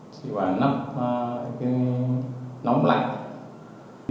chị bảo nắp cái nóng lạnh